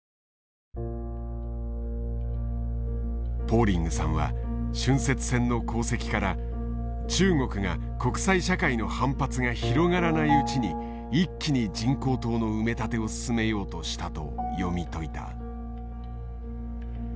ポーリングさんは浚渫船の航跡から中国が国際社会の反発が広がらないうちに一気に人工島の埋め立てを進めようとしたと読み解いた。